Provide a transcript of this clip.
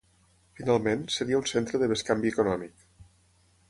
Finalment, seria un centre de bescanvi econòmic.